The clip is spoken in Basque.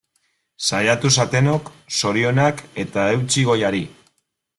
Saiatu zatenok, zorionak eta eutsi goiari!